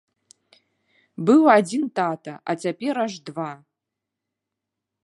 Быў адзін тата, а цяпер аж два!